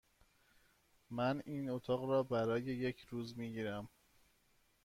من این اتاق را برای یک روز می گیرم.